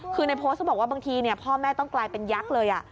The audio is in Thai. คือในโพสต์เขาบอกว่าบางทีพ่อแม่ต้องกลายเป็นยักษ์เลย